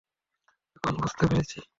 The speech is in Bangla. এখন বুঝতে পেরেছি।